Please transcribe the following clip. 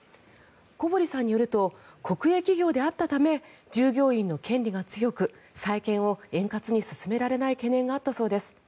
小堀さんによると国営企業であったため従業員の権利が強く再建を円滑に進められない懸念があったそうです。